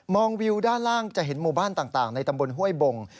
วิวด้านล่างจะเห็นหมู่บ้านต่างในตำบลห้วยบง